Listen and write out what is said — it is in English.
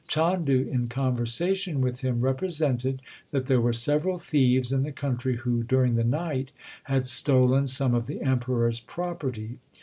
Chandu, in conversation with him, represented that there were several thieves in the country who, during the night, had stolen some of the Emperor s property.